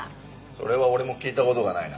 それは俺も聞いた事がないな。